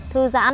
thở thật chậm